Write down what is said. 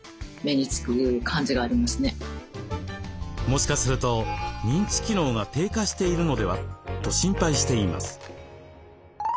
もしかすると認知機能が低下しているのでは？と心配しています。